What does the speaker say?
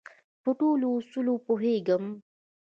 په ټولو اصولو پوهېږم.